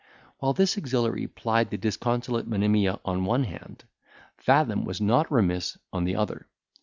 While this auxiliary plied the disconsolate Monimia on one hand, Fathom was not remiss on the other.